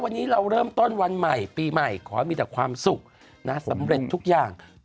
ค่าเงินบาทเราแล้วคะ